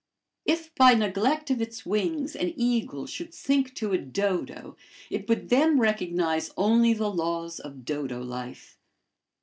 If by neglect of its wings, an eagle should sink to a dodo, it would then recognize only the laws of dodo life.